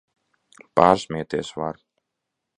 Pārsmieties var!